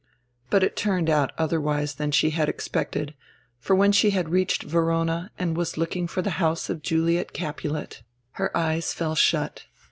But it turned out other wise than she had expected, for when she had reached Verona and was looking for tire house of Juliet Capulet, her eyes fell shut.